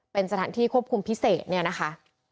เป็นสถานที่ควบคุมพิเศษเนี่ยนะคะ